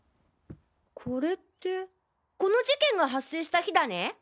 これってこの事件が発生した日だね。